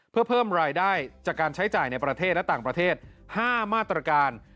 เพื่อเพิ่มรายได้จากการใช้จ่ายในประเทศและต่างประเทศ๕มาตรการ